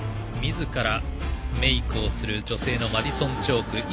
みずからメイクをする女性のマディソン・チョーク。